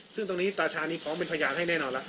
ซึ่งตอนนี้ตาชานิพร้อมเป็นพยาทน์ให้แน่นอนละ